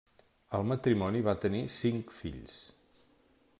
El matrimoni va tenir cinc fills.